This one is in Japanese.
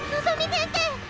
先生。